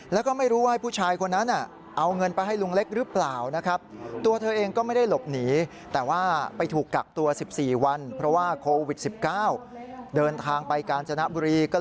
แล้วก็ไม่รู้ว่าผู้ชายคนนั้นเอาเงินไปให้ลุงเล็กหรือเปล่านะครับ